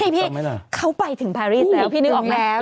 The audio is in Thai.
พี่เขาไปถึงพารีสแล้วพี่นึกออกแล้ว